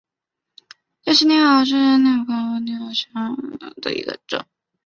翅柄蓼为蓼科蓼属下的一个种。